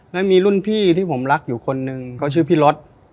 แล้วมีรุ่นพี่ที่ผมรักอยู่คนนึงเขาชื่อพี่รถ